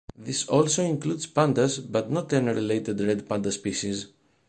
This also includes pandas, but not the unrelated red panda species.